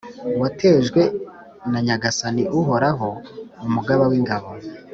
watejwe na Nyagasani Uhoraho, Umugaba w’ingabo.